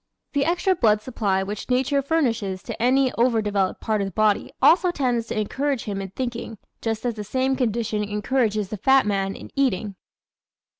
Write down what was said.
The extra blood supply which nature furnishes to any over developed part of the body also tends to encourage him in thinking, just as the same condition encourages the fat man in eating.